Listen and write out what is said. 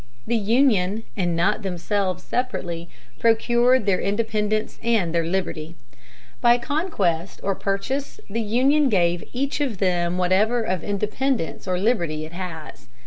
The Union, and not themselves separately, procured their independence and their liberty. By conquest or purchase the Union gave each of them whatever of independence or liberty it has.